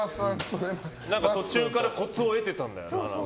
途中からコツを得てたんだよな。